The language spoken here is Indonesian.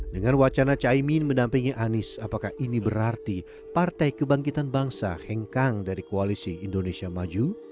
dengan wacana caimin mendampingi anies apakah ini berarti partai kebangkitan bangsa hengkang dari koalisi indonesia maju